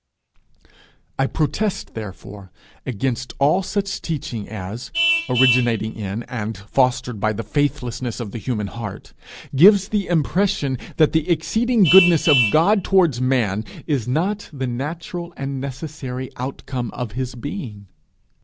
I protest, therefore, against all such teaching as, originating in and fostered by the faithlessness of the human heart, gives the impression that the exceeding goodness of God towards man is not the natural and necessary outcome of his being.